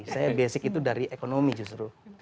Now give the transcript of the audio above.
saya basic itu dari ekonomi justru